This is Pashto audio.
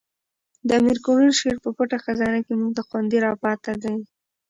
د امیر کروړ شعر په پټه خزانه کښي موږ ته خوندي را پاته دئ.